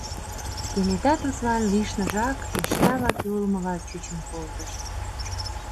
Кенета тудлан лишныжак эше ала-кӧ улмыла чучын колтыш.